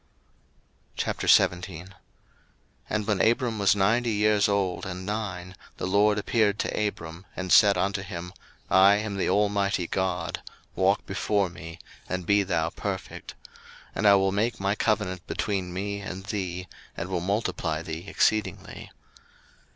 01:017:001 And when Abram was ninety years old and nine, the LORD appeared to Abram, and said unto him, I am the Almighty God; walk before me, and be thou perfect. 01:017:002 And I will make my covenant between me and thee, and will multiply thee exceedingly.